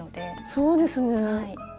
そうですね。